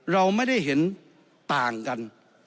เราไม่ได้เห็นต่างกัน